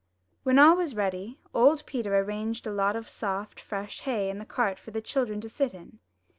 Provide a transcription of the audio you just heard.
When all was ready, old Peter arranged a lot of soft fresh hay in the cart for the children to sit in.